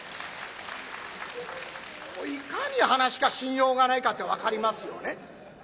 いかに噺家信用がないかって分かりますよね。